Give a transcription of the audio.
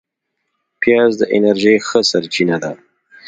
پیاز د انرژۍ ښه سرچینه ده